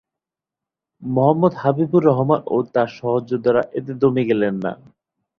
মোহাম্মদ হাবিবুর রহমান ও তার সহযোদ্ধারা এতে দমে গেলেন না।